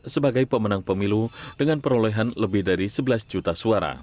sebagai pemenang pemilu dengan perolehan lebih dari sebelas juta suara